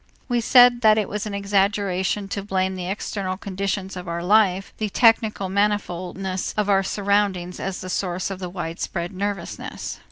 We said that it was an exaggeration to blame the external conditions of our life, the technical manifoldness of our surroundings as the source of the widespread nervousness.